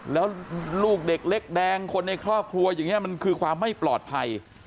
แล้วลูกเด็กเล็กแดงคนในครอบครัวอย่างนี้มันคือความไม่ปลอดภัย